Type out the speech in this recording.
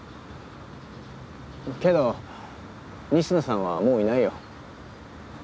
けど仁科さんはもういないよ。